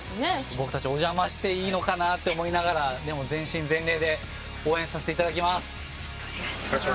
僕たちお邪魔していいのかなと思いながらでも、全身全霊で応援させていただきます。